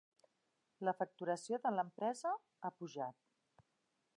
La facturació de l'empresa ha pujat.